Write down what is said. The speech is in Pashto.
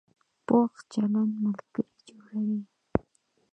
پوخ چلند ملګري جوړوي